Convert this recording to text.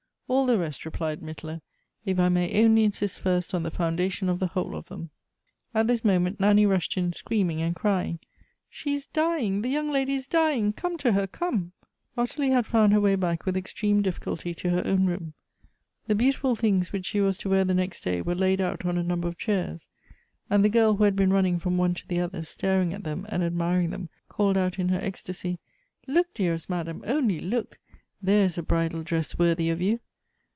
"All the rest," replied Mittler, "if I may only insist first on the foundation of the whole of them." At this moment Nanny rushed in, screaming and cry ing :" She is dying : the young lady is dying ; come to her, come." Ottilie had found her way back with extreme difficulty to her own room. The beautiful things which she was to wear the next day were Laid out on a number of chairs; and the girl, who had been running from one to the other, staring at them and admiring them, called out in her ecstasy, " Look, dearest madam, only look ! There is a bridal dress worthy of you."